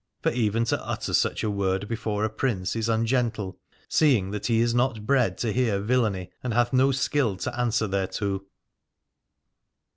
For even to utter such a word before a Prince is ungentle, seeing that he is not bred to hear villainy and hath no skill to answer thereto.